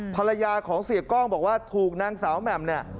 ภรรยาของเสียกล้องบอกว่าถูกนางสาวแหม่มเนี่ย